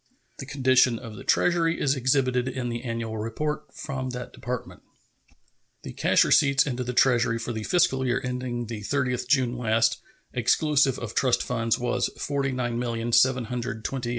The condition of the Treasury is exhibited in the annual report from that Department. The cash receipts into the Treasury for the fiscal year ending the 30th June last, exclusive of trust funds, were $49,728,386.